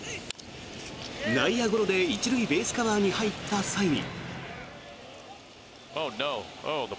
内野ゴロで１塁ベースカバーに入った際に。